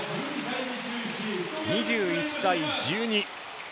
２１対１２。